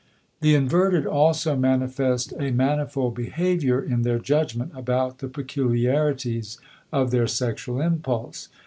The inverted also manifest a manifold behavior in their judgment about the peculiarities of their sexual impulse.